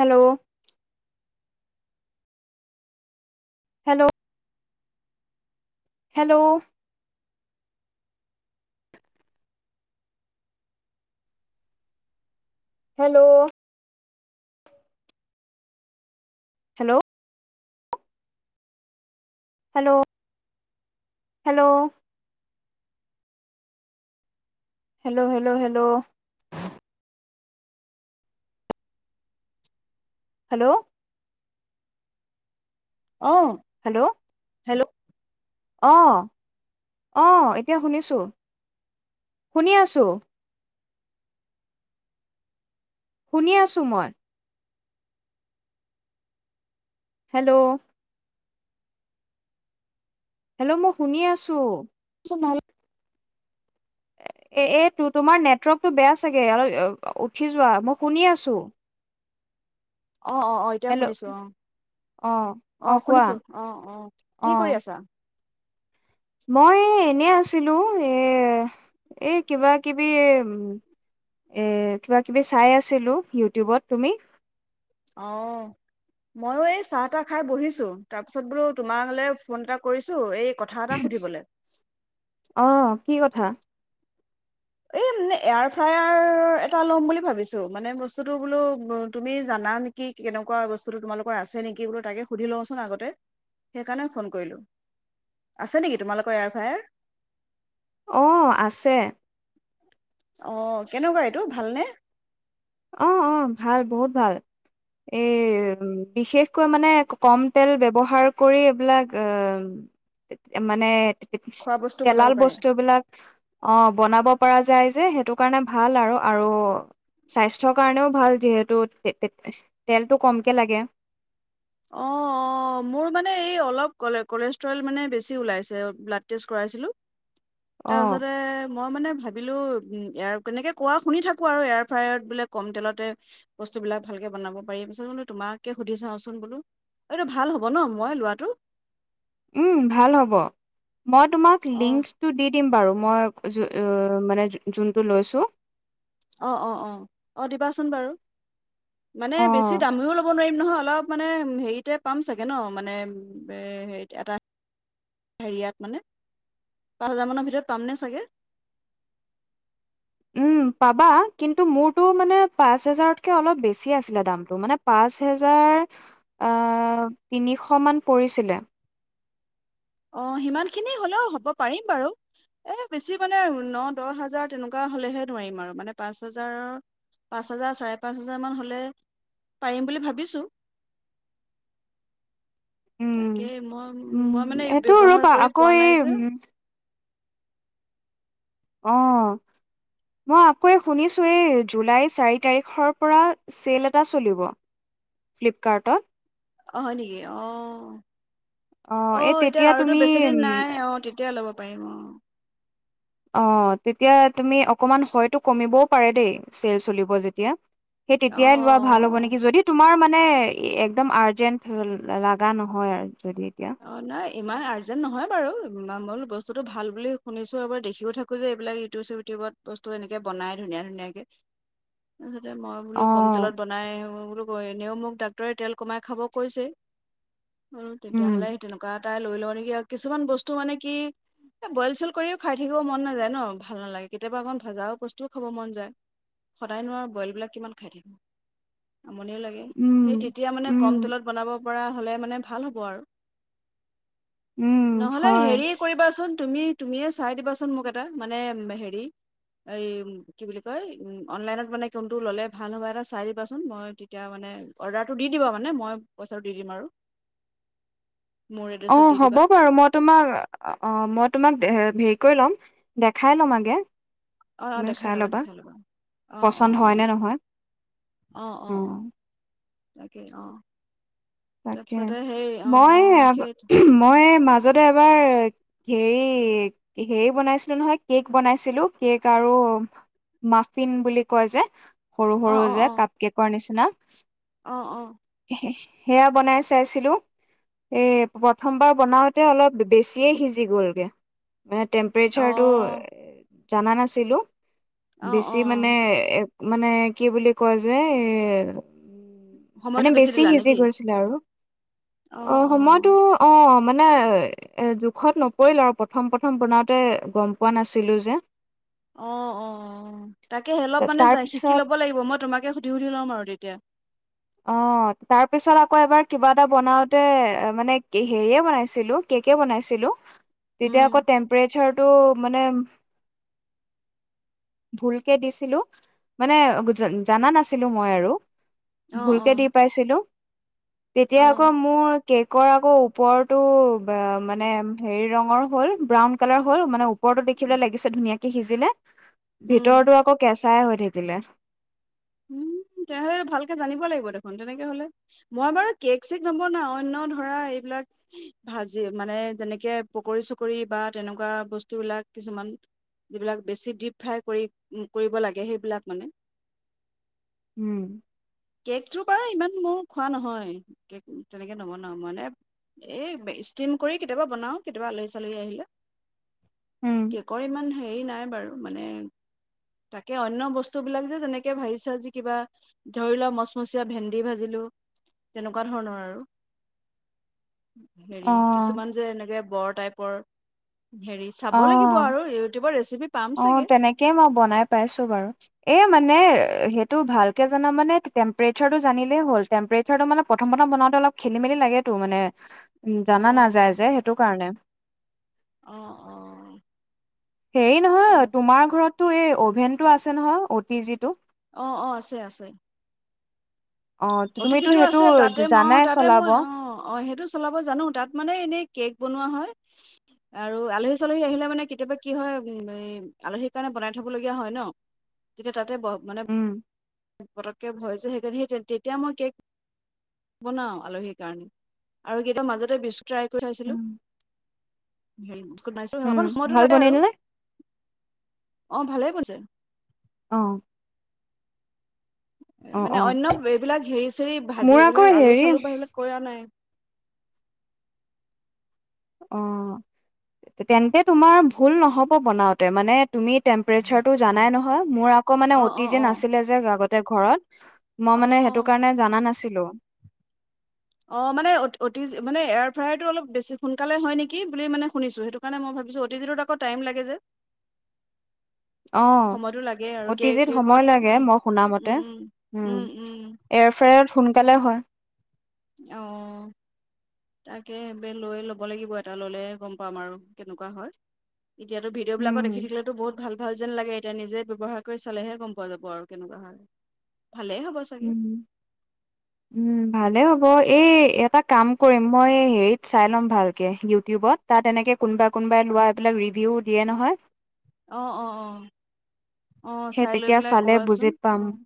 Hello! Hello! Hello! Hello! Hello! Hello hello hello hello hello hello! অহ hello! Hello! অঁহ অঁহ এতিয়া শুনিছো শুনি আছো। শুনি আছো মই। হেল্ল! হেল্ল' মই শুনি আছো। [unintelligible] এ এ তো তোমাৰ নেটৱাৰ্কটো বেয়া চাগে অলপ উঠি যোৱা, মই শুনি আছো। অঁহ অঁহ অঁহ এতিয়া হেল্ল' শুনিছো অঁহ, অ অ অঁহ কোৱা শুনিছো অহ অহ। কি অ কৰি আছা? মই এই এনে আছিলো এ এ কিবা কিবি এ এ কিবা কিবি চাই আছিলো ইউটিউবত। তুমি? অহ। মইও এই চাহ তাহ খাই বহিছো তাৰপিছত বোলো তোমালৈ ফোন এটা কৰিছো এই কথা এটা সুধিবলৈ অহ কি কথা? এই মানে এয়াৰ ফ্ৰায়াৰ এটা ল'ম বুলি ভাবিছো মানে বস্তুটো বোলো তুমি জানা নে কি কেনেকুৱা বস্তুতো তোমালোকৰ আছে নেকি বোলো তাকে সুধি লওঁচোন আগতে। সেইকাৰণে ফোন কৰিলো, আছে নেকি তোমালোকৰ এয়াৰ ফ্ৰায়াৰ? অঁহ আছে। অহ কেনেকুৱা এইটো ভাল নে? অহ অহ ভাল বহুত ভাল। এই বিশেষকৈ মানে কম তেল ব্যৱহাৰ কৰি এইবিলাক আহ মানে খোৱা বস্তু বনাব তেলাল পাৰে বস্তু এইবিলাক অহ বনাব পৰা যায় যে সেইটো কাৰণে ভাল আৰু আৰু স্বাস্থ্যৰ কাৰণেও ভাল যিহেতু তেলটো কমকে লাগে। অহ অহ মোৰ মানে এই অলপ কলে কলেষ্ট্ৰল মানে বেছি ওলাইছে ব্লাড টেষ্ট কৰাইছিলো অ', তাৰপিছতে মই মানে ভা ভাবিলো উম এয়াৰ এনেকে কোৱা শুনি থাকো আৰু এয়াৰ ফ্ৰায়াৰত বোলে কম তেলতে বস্তু বিলাক ভালকে বনাব পাৰি, পিছত কিন্তু তোমাকে সুধি চাওঁচোন চোন বোলো, এইটো ভাল হ'ব ন মই লোৱাটো? উম ভাল হ'ব, মই তোমাক অ লিংক টো দি দিম বাৰু মই যু ও মানে যোনটো লৈছো। অঁ অ অ অঁ দিবাচোন বাৰু, মানে অ'। বেছি দামীও ল নোৱাৰিম নহয়, অলপ মানে হেৰিতে পাম চাগে ন মানে হে এটা হেৰিয়াত মানে, পাঁচ হাজাৰ মানৰ ভিতৰত পামনে চাগে? উম পাবা, কিন্তু মোৰটো মানে পাঁচ হেজাৰতকে অলপ বেছি আছিলে দামটো মানে পাঁচ হেজাৰ আ তিনিশ মান পৰিছিলে। অঁ সিমান খিনি হ'লেও হ'ব পাৰিম বাৰু। এই বেছি মানে ন দহ হাজাৰ তেনেকুৱা হ'লেহে নোৱাৰিম আৰু, মানে পাঁচ হাজাৰৰ পাঁচ হাজাৰ চাৰে পাঁচ হাজাৰ মান হলে, পাৰিম বুলি ভাবিছো। তাকে উম, মই উম, মই মানে সেইটো ব্যৱহাৰ ৰ'বা কৰি আকৌ পোৱা এই নাই যে। উম, অঁ মই আকৌ এই শুনিছো এই জুলাই চাৰি তাৰিখৰ পৰা চেইল এটা চলিব, ফ্লিপকাৰ্টত। অ হয় নেকি? অঁ অ', ঔ এই এতিয়া তেতিয়া আৰুতো তুমি বেছি দিন উম, নাই অঁ টি তিয়া ল'ব পাৰিম অঁ। অঁ তেতিয়া তুমি অকমান হয়তো কমিবও পাৰে দেই, চেল চলিব যেতিয়া। সেই অ তেতিয়াই লোৱা ভাল হ'ব নেকি যদি তোমাৰ মানে একদম আৰ্জেন্ট লগা নহয় আৰু যদি এতিয়া অ নাই ইমান আৰ্জেন্ট নহয় বাৰু, মই বোলো বস্তুটো ভাল বুলি শুনিছো আৰু বাৰ দেখিও থাকো যে এইবিলাক ইউটিউব চিও টিউবত বস্তু এনেকে বনাই ধুনীয়া ধুনীয়া কে। তাৰপিছতে মই বোলো অ কম তেলত বনাই মই বোলো ক এনেও মোক ডাক্তৰে তেল কমাই খাব কৈছেই। তেতিয়া উম হলে সেই তেনেকুৱা এটাই লৈ লওঁ নেকি, আৰু কিছুমান বস্তু মানে কি এই বইল চইল কৰিও খায় থাকিব মন নাযায় ন, ভাল নালাগে কেতিয়াবা অকণ ভজাও বস্তুও খাব মন যায়। সদায়নো আৰু বইল বিলাক কিমান খায় থাকিম। আমনিয়ে লাগে, সেই উম তেতিয়া মানে কম উম তেলত বনাব পৰা হ'লে মানে ভাল হ'ব আৰু। উম নহলে হয় হেৰি কৰিবাচোন তুমি তুমিয়ে চাই দিবাচোন মোক এটা, মানে হেৰি এই কি বুলি কয় অনলাইনত মানে কোনটো ল'লে ভাল হ'বা এটা চাই দিবাচোন, মই তি তিয়া মানে অৰ্ডাৰটো দি দিবা মানে, মই পইচাটো দি দিম আৰু। মোৰ অঁ এড্ৰেছত দি হ'ব দিবা বাৰু মই তোমাক অঁ মই তোমাক হেৰি কৰি ল'ম দেখাই ল'ম আগে। অঁ অঁ তুমিও দেখাই চাই ল'বা দেখাই ল'বা অঁ অঁ পচন্দ হয় অঁ। নে নহয় অঁ অ অঁ অঁ তাকেই অঁ। তাকে তাৰপিছতে সেই অঁ মই অঁ সেই মই মাজতে এবাৰ হেৰি হেৰি বনাইছিলো নহয় কেক বনাইছিলো, কেক আৰু মাফিন বুলি কয় যে সৰু সৰু অঁ অঁ যে অঁ কাপ কেকৰ নিচিনা। অঁ অঁ। সেয়া বনাই চাইছিলো। এ প্ৰথমবাৰ বনাওতে অলপ বেছিয়ে সিজি গ'লগে। মানে অঁ টেম্পৰেচাৰটো জানা নাছিলো। অঁ অঁ বেছি অঁ মানে এক মানে কি বুলি কয় যে এ মানে সময়টো বেছি দিলা সিজি নেকি গৈছিলে আৰু, অঁ সময়তো অঁ মানে এ জোখত নপৰিল আৰু প্ৰথম প্ৰথম বনাওতে গম পোৱা নাছিলো যে। অ', অ' তাকে অলপ মানে তাৰ যায় পিছত শিকি ল'ব লাগিব, মই তোমাকে সুধি সুধি লম আৰু তেতিয়া। অ', তাৰ পিছত আকৌ এবাৰ কিবা এটা বনাওঁতে মানে হেৰিয়ে বনাইছিলো। কেকে বনাইছিলো, তেতিয়া আকৌ টেম্প্ৰেচাৰটো মানে ভুলকে দিছিলো মানে জানা নাছিলো মই আৰু। অঁ ভুলকে দি অঁ পাইছিলো, তেতিয়া আকৌ মোৰ কেকৰ আকৌ ওপৰৰটো ব মানে হেৰি ৰঙৰ হ'ল ব্ৰাউন কালাৰ হ'ল। মানে ওপৰৰতো দেখিবলৈ লাগিছে ধুনীয়াকে সিজিলে, অঁ ভিতৰতো আকৌ কেঁচাই হৈ থাকিলে। উম, তেনেহ'লে ভালকে জানিব লাগিব দেখোন। তেনেকে হ'লে মই বাৰু কেক চেক নবনাওঁ, অন্য ধৰা এইবিলাক ভাজি মানে যেনেকে পকৰী চকৰি বা তেনেকুৱা বস্তু বিলাক কিছুমান যিবিলাক বেছি ডিপ ফ্ৰাই কৰি কৰিব লাগে সেইবিলাক মানে। উম। কেকটো বাৰু ইমান মোৰ খোৱা নহয়, কেক তেনেকে নবনাওঁ। মানে এ ষ্টিম কৰি কেতিয়াবা বনাওঁ কেতিয়াবা আলহী চালহী আহিলে। উম কেকৰ ইমান হেৰি নাই বাৰু। মানে তাকে অন্য বস্তুবিলাক যেনেকে ভাজি ছাজি কিবা ধৰি ল মচমচীয়া ভেন্দি ভাজিলো, তেনেকুৱা ধৰণৰ আৰু। হেৰি অ', কিছুমান যে এনেকে বৰ টাইপৰ। হেৰি চাব লাগিব অ'। আৰু ইউটিউবৰ ৰেচিপি পাম অ', চাগে তেনেকেই মই বনাই পাইছো বাৰু। এই মানে টো ভালকে জান মানে টেম্প্ৰেচাৰ জানিলে হ'ল, টেম্প্ৰেচাৰটো মানে প্ৰথম প্ৰথম বনাওঁটো অলপ খেলি মেলি লাগেতো, মানে উ অ জানা নাযায় যে সেইটো কাৰণে। অ', অ'। হেৰি নহয় তোমাৰ ঘৰতটো এই অভেনটো আছে নহয় অ টি জিটো? অ', অ' আছে আছে। অ' তি তুমিতো জিতো সেইটো আছে, তাতে মই জানাই তাতে চলাব, মই অ' অ' টো চলাব জানো, তাত মানে এনেই কেক বনোৱা হয়। আৰু আলহী চালহী আহিলে মানে কেতিয়াবা কি হয় আলহীৰ কাৰণে বনাই থবলগীয়া হয় ন। তেতিয়া তাতে ব মানে উম। পতককে ভয় যে, সেইকাৰণে সেই তেতিয়া মই কেক বনাও আলহীৰ কাৰণে, আৰু কেতিয়াবা মাজতে বিস্কুত ট্ৰাই কৰি চাইছিলো। উম, বনাইছো, উম অকমান সময়তো ভাল লাগে আৰু, বনিল নে? অ' ভালেই বনিছে। অ'। অ', মানে অ', অন্য এইবিলাক হেৰি চেৰি মোৰ ভাজি আকৌ বিলাক আলু হেৰি চালু বা সেইবিলাক কৰা নাই। অ', তেন্তে তোমাৰ ভুল নহ'ব বনাওতে। মানে তুমি টেম্প্ৰেচাৰটো জানাই নহয়? মোৰ আকৌ মানে অ' অঁ টি অঁ জি অঁ নাছিলে যে আগতে ঘৰত। মই মানে অঁ সেইটো কাৰণে জানা নাছিলো। অ', মানে অ' মানে এয়াৰ ফ্ৰায়াৰটো অলপ বেছি সোনকালে হয় নেকি বুলি মানে শুনিছো সেইটো। কাৰণে মই ভাবিছো অ' টি জিটোত আকৌ টাইম লাগে যে। অ সময়তো লাগে আৰু কেক অতিজিত সময় কেকত লাগে উম, মই উম, উম, উম, উম। এয়াৰফ্ৰায়াৰত সোনকালে হয়। অ'। তাকে বে লৈ ল'ব লাগিব এটা, ল'লে গ'ম পাম আৰু কেনেকুৱা হয়। এতিয়াটো ভিডিঅ' বিলাক উম দেখি থাকিলেতো বহুত ভাল ভাল যেন লাগে এতিয়া নিজে ব্যৱহাৰ কৰি চালেহে গম পোৱা যাব আৰু কেনেকুৱা হয়, ভালে হ'ব চা উ উম, ভালে হ'ব এই এটা কাম কৰিম মই হেৰিত চাই ল'ম ভালকে ইউটিউবত তাত এনেকে কোনোবাই-কোনোবাই লোৱা এইবিলাক ৰিভিউ দিয়ে নহয় অ অ অ সেই চাই লৈ তেতিয়া পেলাই চালে কবাচোন বুজি পাম। অ',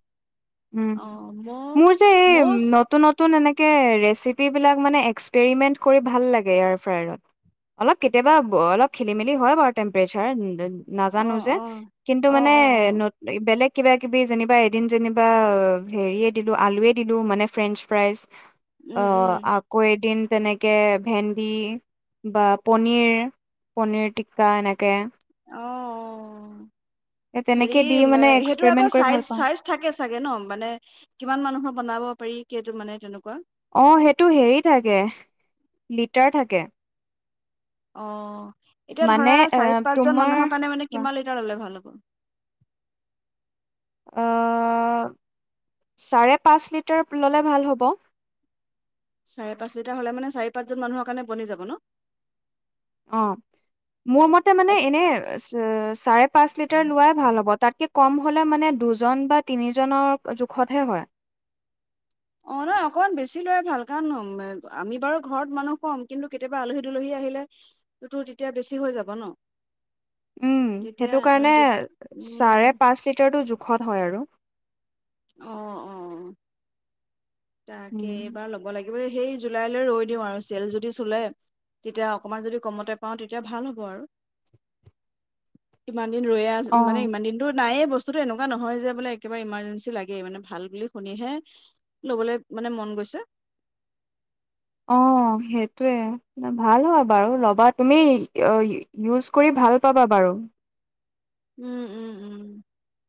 উম, অ', মই মোৰ যে এই ময়ো নতুনত এনেকে ৰেচিপ বিলাক মানে এক্সপেৰিমেন্ট কৰি ভাল লাগে এয়াৰ ফ্ৰায়াৰত অলপ কেতিয়াবা অলপ খেলি-মেলি হয় বাৰু টেম্পেৰেচাৰ নাজানো অ', যে, অ', কিন্তু অ', মানে অ', অ', বেলেগ কিবা-কিবি যেনিবা এদিন যেনিবা হেৰিয়ে দিলো আলুয়ে দিলো মানে ফ্ৰেন্ঞ্চ ফ্ৰাইজ উম, উম, আহ, আকৌ এদিন তেনেকে ভেন্দি। বা পনীৰে পনীৰ টিক্কা এনেকে অ', এ তেনেক এই সেইটোৰ আকৌ চাইজ-চাইজ থাকে চাগে ন মানে কিমান মানুহৰ বনাব পাৰি কেইটো মানে তেনেকুৱা। অ, সেইটো হেৰি থাকে লিটাৰ থাকে। অ, এতিয়া মানে ধৰা এ চাৰি-পাঁচজন তোমাৰ মানুহৰ কাৰণে মানে কিমান লিটাৰ ল'লে ভাল হ'ব? অ, চাৰে পাঁচ লিটাৰ ল'লে ভাল হ'ব। চাৰে পাঁচ লিটাৰ হ'লে মানে চাৰি পাঁচজন মানুহৰ কাৰণে বনি যাব ন? অ, মোৰ মতে মানে একে এনে চাৰে পাঁচ লিটাৰ লোৱাই ভাল হ'ব তাকে কম হ'লে মানে দুজন বা তিনিজনৰ জোখতহে হয়। অ, নহয় অকমান বেছি লৈ ভাল কাৰণ হম আমি বাৰু ঘৰত মানুহ কম কিন্তু কেতিয়াবা আলহী-দুলহী আহিলে সেইতো তেতিয়া বেছি হৈ যাব ন? উম, তেতিয়া সেইটো আহ, কাৰণে তে উম চাৰে পাঁচ লিটাৰটো জোখত হয় আৰু। অ-অ-অ। তাকে উম এইবাৰ ল'ব লাগিব সেই জুলাইলৈ ৰৈ দিওঁ আৰু চেল যদি চুলে তেতিয়া অকণমান যদি কমতে পাওঁ তেতিয়া ভাল হ'ব আৰু ইমান দিন ৰৈ আছো অ মানে ইমান দিনতো নায়ে বস্তু তোৰ তো এনেকুৱা নহয় যে বোলে একেবাৰে ইমাৰ্জেঞ্চি লাগেই মানে ভাল বুলি শুনিহে ল'বলৈ মানে মন গৈছে। অ সেইটোৱে। ভাল হয় বাৰু ল'বা তুমি ইউজ কৰি ভাল পাবা বাৰু। উম, উম, উম,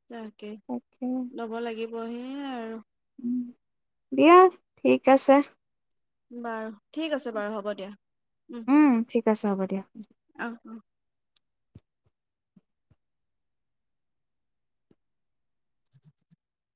তাকে তাকে ল'ব লাগিব সেয়া আৰু উম, দিয়া ঠিক আছে। বাৰু ঠিক আছে বাৰু হ'ব দিয়া। উম, ঠিক আছে হ'ব দিয়া। অ [unintelligible]